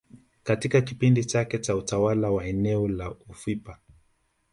Katika kipindi chake cha utawala wa eneo la ufipa